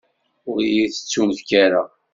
Ur yi-tettunefk ara.